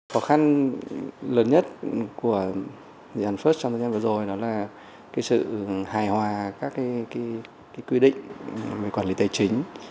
khó khăn lớn nhất của dự án first trong thời gian vừa rồi đó là cái sự hài hòa các cái quy định về quản lý tài chính